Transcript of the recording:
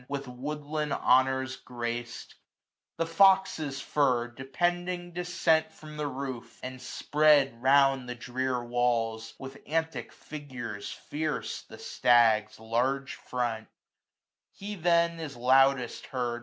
With woodland honours grac*d ; the fox's fur, 495 Depending decent from the roof; and spread Round the drear walls, with antic figures fierce. The stag's large front : he then is loudest heard.